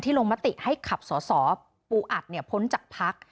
ลงมติให้ขับสสปูอัดพ้นจากพัก